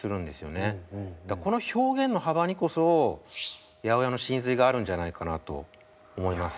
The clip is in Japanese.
だからこの表現の幅にこそ８０８の神髄があるんじゃないかなと思います。